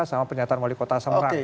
sama pernyataan mali kota samarang